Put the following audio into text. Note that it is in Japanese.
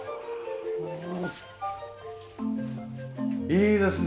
いいですね